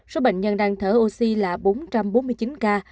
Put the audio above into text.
số bệnh nhân đang thở oxy là bốn trăm bốn mươi chín ca